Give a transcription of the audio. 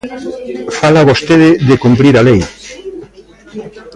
Fala vostede de cumprir a lei.